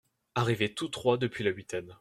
Arrivés tous trois depuis la huitaine.